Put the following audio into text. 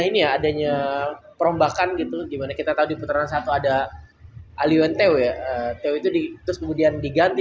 ini adanya perombakan gitu gimana kita tadi putaran satu ada alium tww itu di terus kemudian diganti